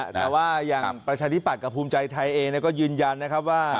แต่ว่าอย่างประชาธิบัติกับภูมิใจไทยเองก็ยืนยันนะครับว่า